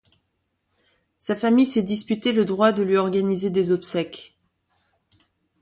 Sa famille s'est disputée le droit de lui organiser des obsèques.